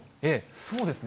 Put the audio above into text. そうですね。